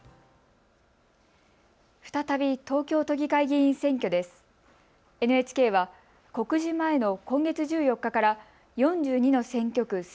再び東京都議会議員選挙です。